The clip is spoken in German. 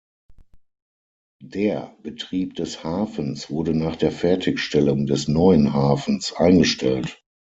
Der Betrieb des Hafens wurde nach der Fertigstellung des neuen Hafens eingestellt.